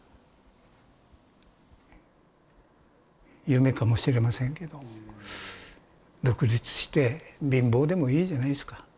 夢かもしれませんけど独立して貧乏でもいいじゃないですか。